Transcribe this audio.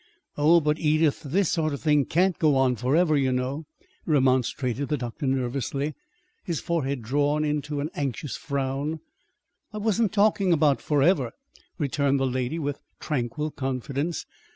"Oh, but, Edith, this sort of thing can't go on forever, you know," remonstrated the doctor nervously, his forehead drawn into an anxious frown. "I wasn't talking about forever," returned the lady, with tranquil confidence.